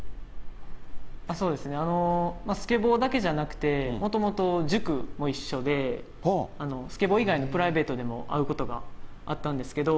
そうですね、スケボーだけじゃなくて、もともと塾も一緒で、スケボー以外のプライベートでも会うことがあったんですけれども、